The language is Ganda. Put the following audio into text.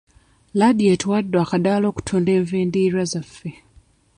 Laadiyo etuwadde akadaala okutunda enva endiirwa zaffe.